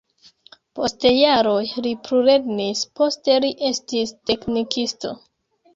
Post jaroj li plulernis, poste li estis teknikisto.